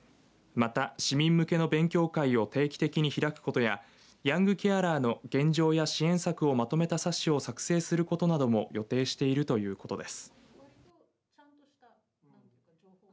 また、市民向けの勉強会を定期的に開くことやヤングケアラーの現状や支援策をまとめた冊子を作成することなども予定しているということです。